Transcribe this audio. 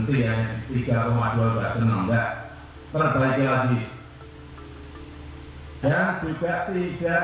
tidak jangan berhenti ya tiga dua puluh enam tidak perbaiki lagi